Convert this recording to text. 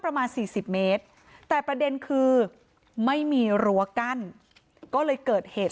ประมาณ๔๐เมตรแต่ประเด็นคือไม่มีรั้วกั้นก็เลยเกิดเหตุ